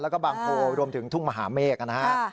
แล้วก็บางโพรวมถึงทุ่งมหาเมฆนะฮะ